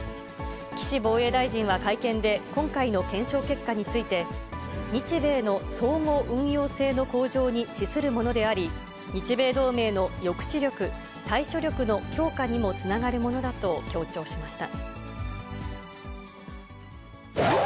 岸防衛大臣は会見で、今回の検証結果について、日米の相互運用性の向上に資するものであり、日米同盟の抑止力、対処力の強化にもつながるものだと強調しました。